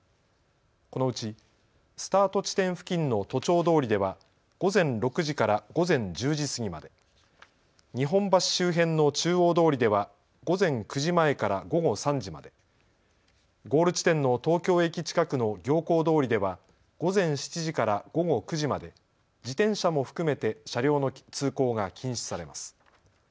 このうちスタート地点付近の都庁通りでは午前６時から午前１０時過ぎまで、日本橋周辺の中央通りでは午前９時前から午後３時まで、ゴール地点の東京駅近くの行幸通りでは午前７時から午後９時まで自転車も含めて車両の通行が禁止されます。